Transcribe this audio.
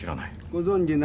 ご存じない？